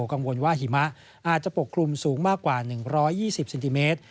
กังวลว่าหิมะอาจจะปกคลุมสูงมากกว่า๑๒๐เซนติเมตร